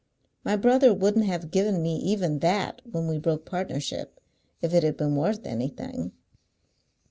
My brother wouldn't have given me even that, when we broke partnership, if it had been worth anything."